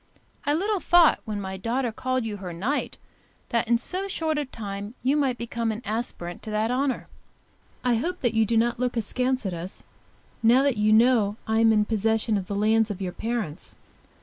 I little thought when my daughter called you her knight, that in so short a time you might become an aspirant to that honour. I hope that you do not look askance at us, now that you know I am in possession of the lands of your parents.